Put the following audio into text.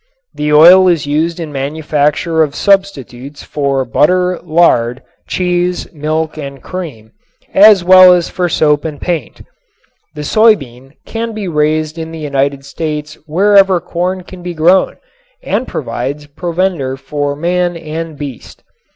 The oil is used in manufacture of substitutes for butter, lard, cheese, milk and cream, as well as for soap and paint. The soy bean can be raised in the United States wherever corn can be grown and provides provender for man and beast.